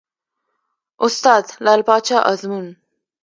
استاد : لعل پاچا ازمون